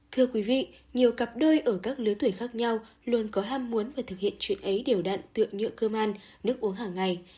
thưa quý vị nhiều cặp đôi ở các lứa tuổi khác nhau luôn có ham muốn và thực hiện chuyện ấy đều đặn tượng nhựa cơm ăn nước uống hàng ngày